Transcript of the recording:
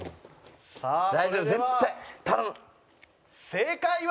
正解は。